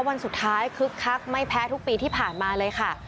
วันสุดท้ายคึกคักไม่แพ้ทุกปีที่ผ่านมาเลยค่ะ